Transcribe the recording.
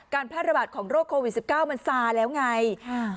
การพระราบาทของโรคโควิดสิบเก้ามันสาแล้วไงอ่า